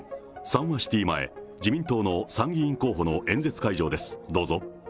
サンワシティー前、自民党の参議院候補の演説会場です。